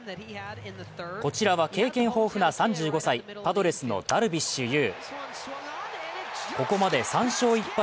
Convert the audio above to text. こちらは経験豊富な３５歳、パドレスのダルビッシュ有。